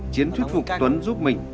chiến thuyết phục tuấn giúp mình